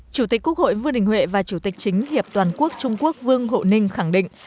chủ tịch quốc hội vương đình huệ và chủ tịch chính hiệp toàn quốc trung quốc vương hộ ninh khẳng định